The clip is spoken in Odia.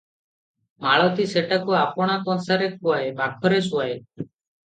ମାଳତୀ ସେଟାକୁ ଆପଣା କଂସାରେ ଖୁଆଏ, ପାଖରେ ଶୁଆଏ ।